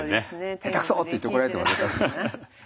下手くそって言って怒られてます。